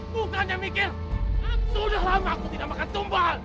bukannya mikir sudah lama aku tidak makan domba